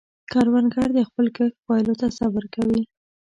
کروندګر د خپل کښت پایلو ته صبر کوي